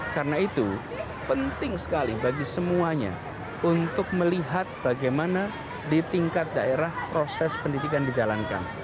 karena itu penting sekali bagi semuanya untuk melihat bagaimana di tingkat daerah proses pendidikan dijalankan